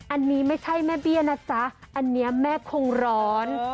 อันนี้ไม่ใช่แม่เบี้ยนะจ๊ะอันนี้แม่คงร้อน